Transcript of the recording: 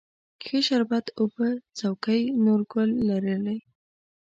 ښه شربت اوبه څوکۍ، نورګل لرلې